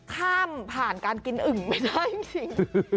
ข้ามผ่านการกินอึ่งไม่ได้จริง